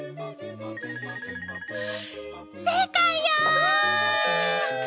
正解よ！